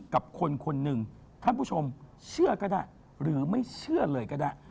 กับคนคนหนึ่งท่านผู้ชมเชื่อก็ได้หรือไม่เชื่อเลยก็ได้